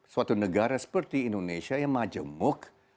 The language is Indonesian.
suatu negara seperti indonesia yang majemuk